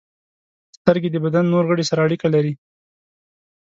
• سترګې د بدن نور غړي سره اړیکه لري.